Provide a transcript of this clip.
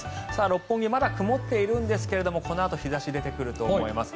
六本木、まだ曇っているんですがこのあと日差しが出てくると思います。